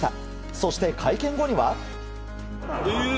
そして、会見後には？